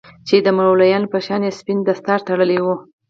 چې د مولويانو په شان يې سپين دستار تړلى و.